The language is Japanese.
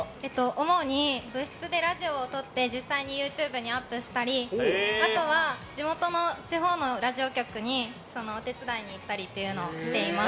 主に部室でラジオをとって実際に、ＹｏｕＴｕｂｅにアップしたりあとは地元の地方のラジオ局にお手伝いに行ったりっていうのをしています。